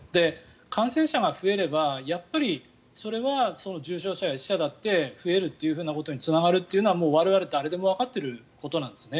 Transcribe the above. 感染者が増えればそれは重症者や死者だって増えるということにつながるというのはもう我々誰でもわかっていることなんですね。